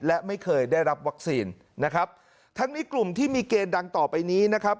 และไม่เคยได้รับวัคซีนนะครับทั้งนี้กลุ่มที่มีเกณฑ์ดังต่อไปนี้นะครับ